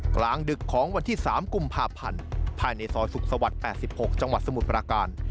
กลางดึกของวันที่๓กุมภาพันธ์ภายในซอยสุขสวรรค์๘๖จังหวัดสมุทรปราการ